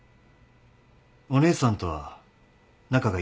お姉さんとは仲がいいのかな？